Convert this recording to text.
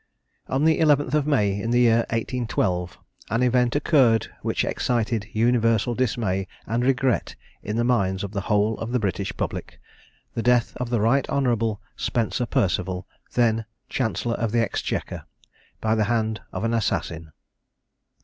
On the 11th of May, in the year 1812, an event occurred which excited universal dismay and regret in the minds of the whole of the British public the death of the Right Honourable Spencer Perceval, then Chancellor of the Exchequer, by the hand of an assassin.